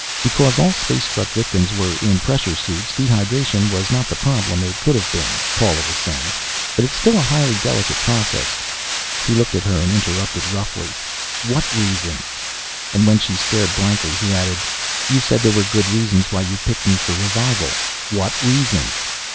"Because all space struck victims were in pressure suits, dehydration was not the problem it could have been," Paula was saying. "But it's still a highly delicate process " He looked at her and interrupted roughly. "What reasons?" And when she stared blankly, he added, "You said there were good reasons why you picked me for revival. What reasons?"